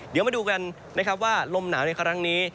เดี๋ยวมาดูกันนะครับว่าลมหนาวในครั้งนี้